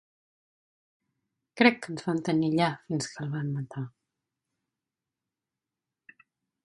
Crec que ens van tenir allà fins que el van matar.